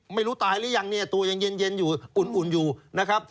ไม่รู้ตายหรือยังเนี่ยตัวยังเย็นอยู่อุ่นอยู่นะครับ